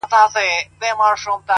كړۍ ـكـړۍ لكه ځنځير ويـده دی ـ